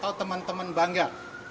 tahukah teman teman bangga